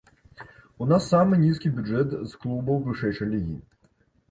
У нас самы нізкі бюджэт з клубаў вышэйшай лігі.